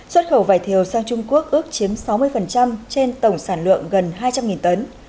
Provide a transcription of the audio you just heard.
xuất khẩu vải thiều sang trung quốc ước chiếm sáu mươi trên tổng sản lượng gần hai trăm linh tấn